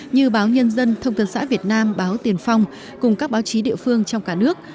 như báo nhân dân thông tấn xã việt nam báo tiền phong cùng các báo chí địa phương trong cả nước